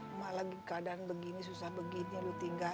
emang lagi keadaan begini susah begini lo tinggal